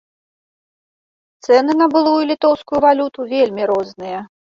Цэны на былую літоўскую валюту вельмі розныя.